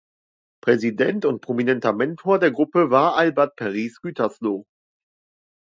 Präsident und prominenter Mentor der Gruppe war Albert Paris Gütersloh.